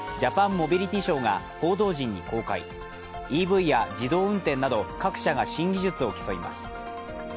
モビリティショーが報道陣に公開ＥＶや自動運転など各社が新技術を競います。